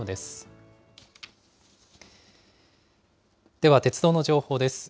では、鉄道の情報です。